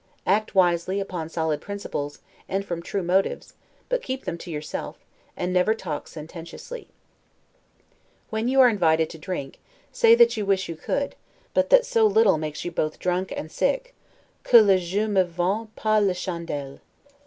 Act wisely, upon solid principles, and from true motives, but keep them to yourself, and never talk sententiously. When you are invited to drink, say that you wish you could, but that so little makes you both drunk and sick, 'que le jeu me vaut pas la chandelle'.